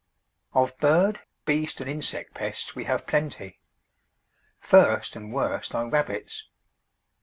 Of bird, beast, and insect pests we have plenty. First, and worst, are rabbits.